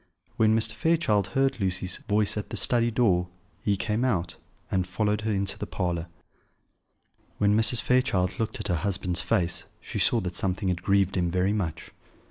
When Mr. Fairchild heard Lucy's voice at the study door, he came out, and followed her into the parlour. When Mrs. Fairchild looked at her husband's face she saw that something had grieved him very much.